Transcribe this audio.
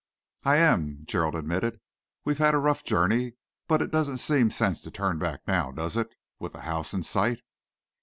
"I am," Gerald admitted. "We've had a rough journey, but it doesn't seem sense to turn back now, does it, with the house in sight?"